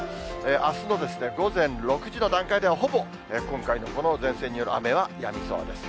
あすの午前６時の段階では、ほぼ今回のこの前線による雨はやみそうです。